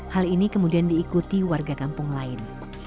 hal ini kemudian diikuti warga kampung lain